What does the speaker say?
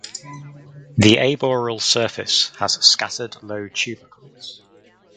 The aboral surface has scattered low tubercles.